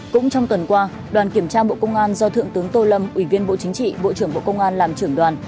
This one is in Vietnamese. cũng trong tuần qua đoàn kiểm tra bộ công an do thượng tướng tô lâm ủy viên bộ chính trị bộ trưởng bộ công an làm trưởng đoàn